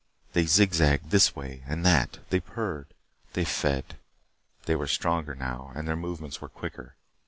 They zig zagged this way and that. They purred. They fed. They were stronger now and their movements were quicker.